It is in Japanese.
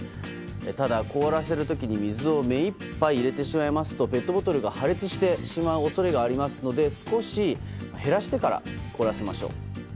ただ、凍らせる時に水を目いっぱい入れてしまいますとペットボトルが破裂してしまう恐れがありますので少し減らしてから凍らせましょう。